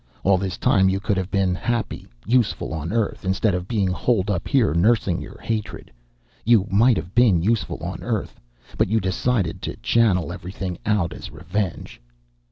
"All this time you could have been happy, useful on Earth, instead of being holed up here nursing your hatred. You might have been useful, on Earth. But you decided to channel everything out as revenge."